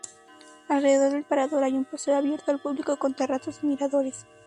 Alrededor del Parador hay un paseo abierto al público con terrazas y miradores.